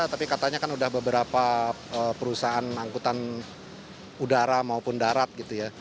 tapi katanya kan sudah beberapa perusahaan angkutan udara maupun darat gitu ya